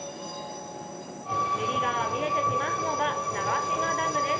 右側見えてきますのが長島ダムです。